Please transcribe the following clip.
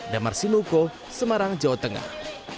damar sinuko semarang jawa tengah